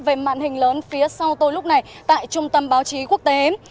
về màn hình lớn phía sau tôi lúc này tại trung tâm báo chí quốc tế